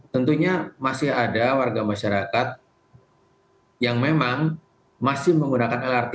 tentunya masih ada warga masyarakat yang memang masih menggunakan lrt